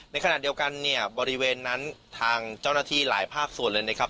ในขณะเดียวกันเนี่ยบริเวณนั้นทางเจ้าหน้าที่หลายภาคส่วนเลยนะครับ